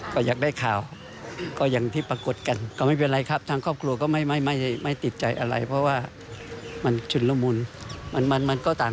คนมาตรายติดสุทธิ์ยังเป็นที่หนักข่าวหนั้งผู้ถ่าขายไปข่าว